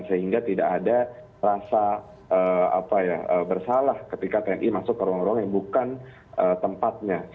sehingga tidak ada rasa bersalah ketika tni masuk ke ruang ruang yang bukan tempatnya